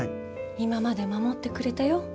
今まで守ってくれたよ。